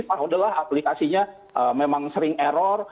faham adalah aplikasinya memang sering error